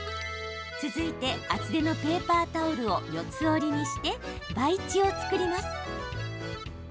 続いて、厚手のペーパータオルを四つ折りにして培地を作ります。